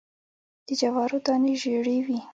د جوارو دانی ژیړې وي